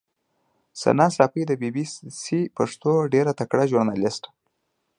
ثنا ساپۍ د بي بي سي پښتو ډېره تکړه ژورنالیسټه